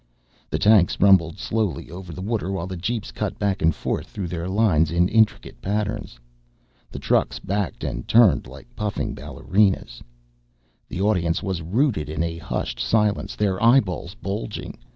The tanks rumbled slowly over the water while the jeeps cut back and forth through their lines in intricate patterns. The trucks backed and turned like puffing ballerinas. The audience was rooted in a hushed silence, their eyeballs bulging.